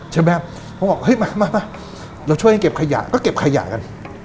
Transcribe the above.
ช่วยให้เก็บขยะก็เก็บขยะกัน